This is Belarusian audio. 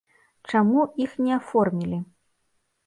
Чаму іх не аформілі?